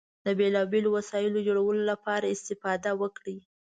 د بېلو بېلو وسایلو جوړولو لپاره استفاده وکړئ.